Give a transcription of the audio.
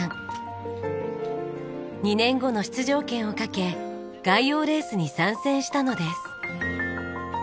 ２年後の出場権を懸け外洋レースに参戦したのです。